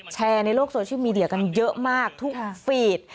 แชร์ในโลกโซเชียลมีเดียกันเยอะมากทุกฟีด